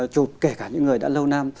chụp kể cả những người đã lâu năm